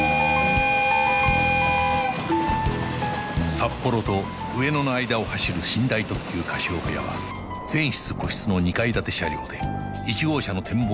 札幌と上野の間を走る寝台特急カシオペアは全室個室の２階建て車両で１号車の展望